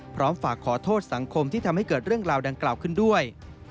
พร้อมฝากขอโทษสังคมที่ทำให้เกิดเรื่องราวดังกล่าวขึ้นด้วย